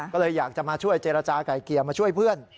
ก็เลยอยากจะมาช่วยเจรจาไก่เกลี่ยมาช่วยเพื่อน